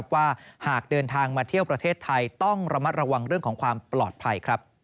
ว่าหากเดินทางมาเที่ยวประเทศไทยต้องระมัดระวังเรื่องของความปลอดภัย